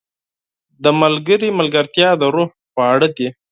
• د ملګري ملګرتیا د روح خواړه دي.